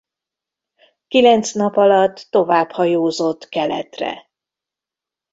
Kilenc nap alatt tovább hajózott keletre.